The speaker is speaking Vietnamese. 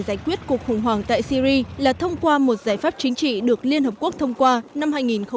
giải quyết cuộc khủng hoảng tại syri là thông qua một giải pháp chính trị được liên hợp quốc thông qua năm hai nghìn một mươi bảy